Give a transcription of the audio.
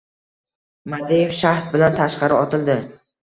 Madiev shahd bilan tashqari otildi.